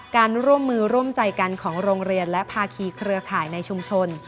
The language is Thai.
การร่วมมือร่วมใจกันของโรงเรียนและภาคีเครือข่ายในชุมชน